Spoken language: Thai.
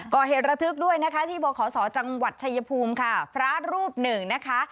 ก่อเหตุระทึกที่บหาสอจังหวัดชัยภูมิพระรูปหนึ่ง